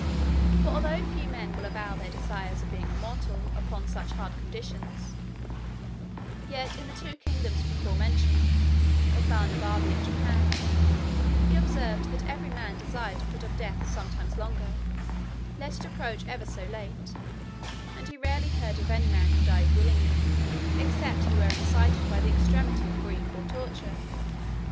For although few men will avow their desires of being immortal, upon such hard conditions, yet in the two kingdoms before mentioned, of Balnibarbi and Japan, he observed that every man desired to put off death some time longer, let it approach ever so late: and he rarely heard of any man who died willingly, except he were incited by the extremity of grief or torture.